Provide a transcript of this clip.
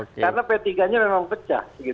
karena p tiga nya memang pecah